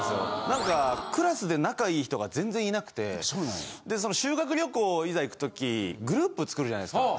なんかクラスで仲いい人が全然いなくて修学旅行いざ行くときグループ作るじゃないですか。